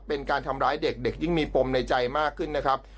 เป็นการทำร้ายเด็กเด็กยิ่งมีปมในใจมากขึ้นนะครับ